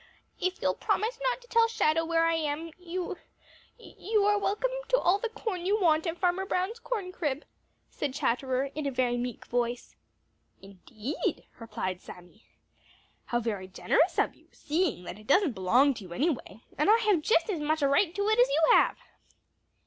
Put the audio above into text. "If you'll promise not to tell Shadow where I am, you—you are welcome to all the corn you want at Farmer Brown's corn crib," said Chatterer, in a very meek voice. "Indeed!" replied Sammy. "How very generous of you, seeing that it doesn't belong to you, anyway, and I have just as much right to it as you have."